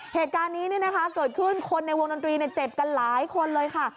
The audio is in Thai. เหตุการณ์นี้เนี่ยนะคะเกิดขึ้นคนในวงดนตรีเนี่ยเจ็บกันหลายคนเลยค่ะ